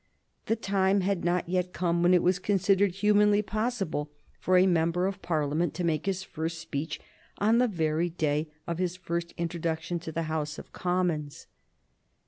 The time had not yet come when it was considered humanly possible for a member of Parliament to make his first speech on the very day of his first introduction to the House of Commons.